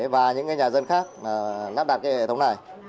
và những nhà dân khác lắp đặt hệ thống này